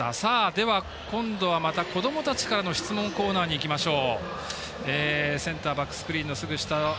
では今度はこどもたちからの質問コーナーにいきましょう。